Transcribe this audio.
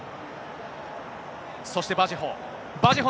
そしてバジェホ。